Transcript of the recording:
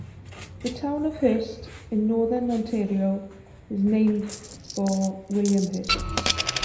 The Town of Hearst, in Northern Ontario, is named for William Hearst.